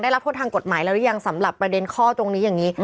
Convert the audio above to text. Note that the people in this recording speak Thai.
รับโทษทางกฎหมายแล้วหรือยังสำหรับประเด็นข้อตรงนี้อย่างนี้